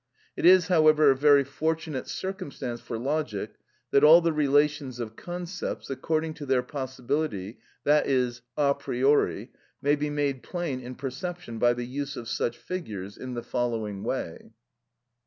It is, however, a very fortunate circumstance for logic that all the relations of concepts, according to their possibility, i.e., a priori, may be made plain in perception by the use of such figures, in the following way:— (1.)